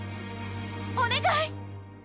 おねがい！